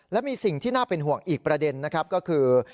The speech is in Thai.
และมีสิ่งที่น่าเป็นห่วงอีกประเด็นนะครับก็คือ